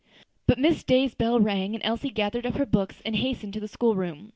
But Miss Day's bell rang, and Elsie gathered up her books and hastened to the school room.